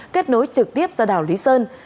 kết nối trực tiếp ra đảo lý sơn